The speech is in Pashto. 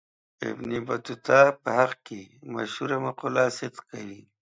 ابن بطوطه په حق کې مشهوره مقوله صدق کوي.